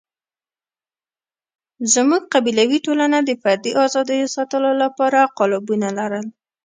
زموږ قبیلوي ټولنه د فردي آزادیو ساتلو لپاره قالبونه لرل.